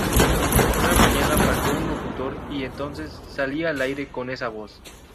Una mañana faltó un locutor y entonces salí al aire con esa voz"".